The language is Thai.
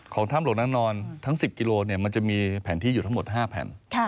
ถ้ำหลวงนางนอนทั้ง๑๐กิโลมันจะมีแผนที่อยู่ทั้งหมด๕แผ่น